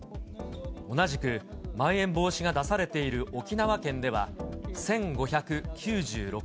同じくまん延防止が出されている沖縄県では１５９６人。